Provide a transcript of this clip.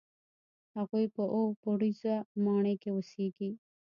هغوی په اووه پوړیزه ماڼۍ کې اوسېږي.